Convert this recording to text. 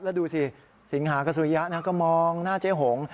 แล้วดูสิสิงหากับสุริยะนะก็มองหน้าเจ๊หง